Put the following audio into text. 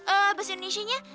eh bahasa indonesianya